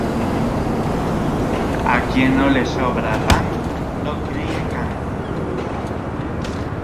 A quien no le sobra pan, no crie can.